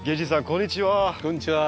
こんにちは。